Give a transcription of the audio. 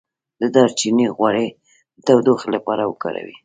د دارچینی غوړي د تودوخې لپاره وکاروئ